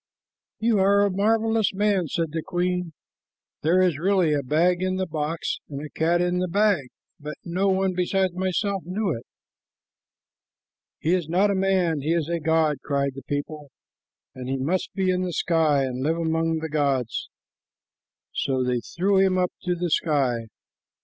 "You are a marvelous man," said the queen. "There is really a bag in the box and a cat in the bag, but no one besides myself knew it." "He is not a man; he is a god," cried the people, "and he must be in the sky and live among the gods;" so they threw him up to the sky.